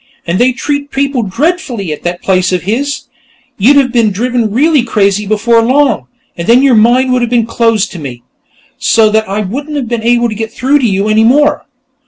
And they treat people dreadfully at that place of his. You'd have been driven really crazy before long, and then your mind would have been closed to me, so that I wouldn't have been able to get through to you, any more.